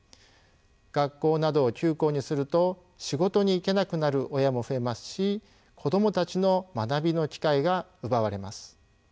学校などを休校にすると仕事に行けなくなる親も増えますし子どもたちの学びの機会が奪われます。